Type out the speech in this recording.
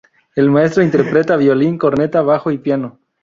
El maestro interpretaba violín, corneta, bajo y piano.